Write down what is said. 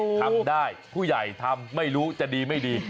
ทำได้ผู้ใหญ่ทำไม่รู้จะดีไม่ดี